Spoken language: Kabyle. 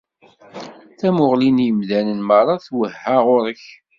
Tamuɣli n yimdanen meṛṛa twehha ɣur-k.